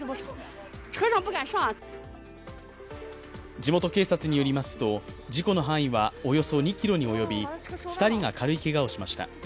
地元警察によりますと事故の範囲はおよそ２ｋｍにおよび２人が軽いけがをしました。